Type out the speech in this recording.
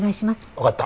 わかった。